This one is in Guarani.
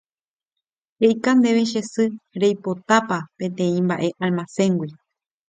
He'ika ndéve che sy reipotápa peteĩ mba'e almacéngui